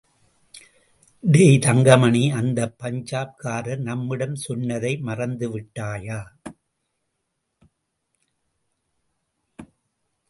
டேய் தங்கமணி, அந்த பஞ்சாப் காரர் நம்மிடம் சொன்னதை மறந்துவிட்டாயா?